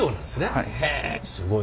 はい。